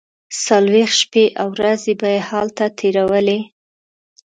څلوېښت شپې او ورځې به یې هلته تیرولې.